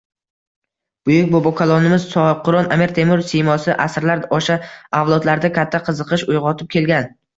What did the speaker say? Buyuk bobokalonimiz Sohibqiron Amir Temur siymosi asrlar osha avlodlarda katta qiziqish uyg`otib kelgan